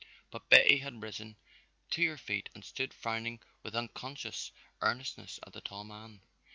But Betty had risen to her feet and stood frowning with unconscious earnestness at the tall man.